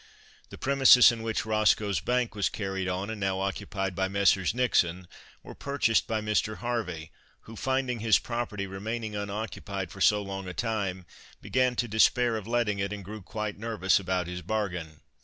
The premises in which Roscoe's Bank was carried on, and now occupied by Messrs. Nixon, were purchased by Mr. Harvey who, finding his property remaining unoccupied for so long a time, began to despair of letting it, and grew quite nervous about his bargain.